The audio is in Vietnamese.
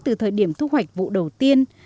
trong thời điểm thu hoạch vụ đầu tiên